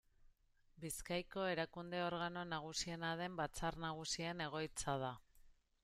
Bizkaiko erakunde organo nagusiena den Batzar Nagusien egoitza da.